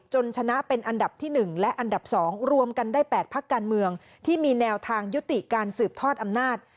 ชนะเป็นอันดับที่๑และอันดับ๒รวมกันได้๘พักการเมืองที่มีแนวทางยุติการสืบทอดอำนาจ